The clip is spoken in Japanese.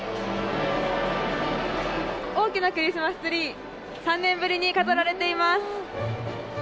大きなクリスマスツリー３年ぶりに飾られています！